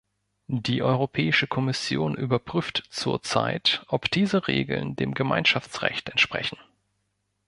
Die Europäische Kommission überprüft zurzeit, ob diese Regeln dem Gemeinschaftsrecht entsprechen.